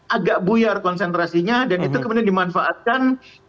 agak buyar konsentrasinya dan itu kemudian dimanfaatkan